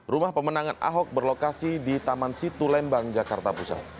rumah pemenangan ahok berlokasi di taman situ lembang jakarta pusat